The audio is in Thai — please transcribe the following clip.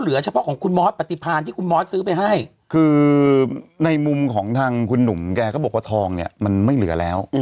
เฉพาะของคุณมอสปฏิพาณที่คุณมอสซื้อไปให้คือในมุมของทางคุณหนุ่มแกก็บอกว่าทองเนี่ยมันไม่เหลือแล้ว